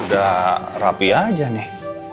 udah rapi aja nih